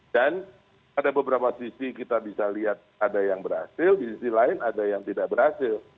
dan ada beberapa sisi kita bisa lihat ada yang berhasil di sisi lain ada yang tidak berhasil